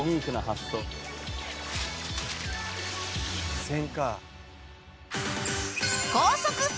付箋か。